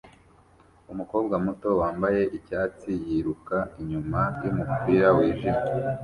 Umukobwa muto wambaye icyatsi yiruka inyuma yumupira wijimye